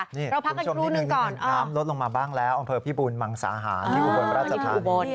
นี่คุณชมนิดนึงน้ำรถลงมาบ้างแล้วองค์เพอร์พี่บุญมังสาหารอยู่อุบลราชภัณฑ์